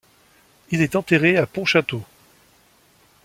Il est enterré à Pontchâteau.